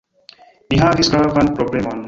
Ni havis gravan problemon.